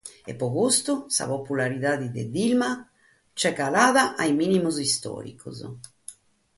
E pro custu sa popularidade de Dilma nch'est calada a sos mìnimos istòricos.